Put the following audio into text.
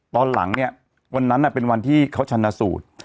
ตอนหลังเนี่ยวันนั้นเป็นวันที่เขาชนะสูตร